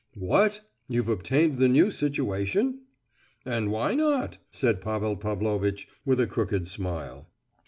"What? You've obtained the new situation?" "And why not?" said Pavel Pavlovitch, with a crooked smile.